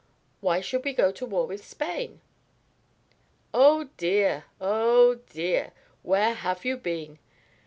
"Why should we go to war with Spain?" "Oh dear! Oh dear! Where have you been?